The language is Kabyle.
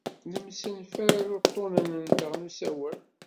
Nemsenfal uḍḍunen-nteɣ n usawal.